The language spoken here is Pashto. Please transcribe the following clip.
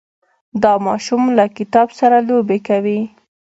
دا ماشوم له کتاب سره لوبې کوي.